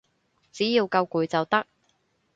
只要夠攰就得